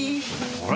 あれ？